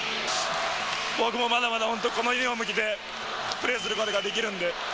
僕もまだまだ本当、このユニホーム着て、プレーすることができるんで。